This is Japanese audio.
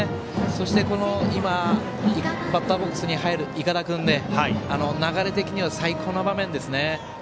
そして今バッターボックスに入る筏君で流れ的には最高な場面ですね。